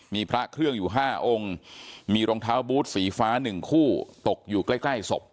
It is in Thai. มีพระเครื่องอยู่๕องค์มีรองเท้าบูธสีฟ้า๑คู่ตกอยู่ใกล้ใกล้ศพ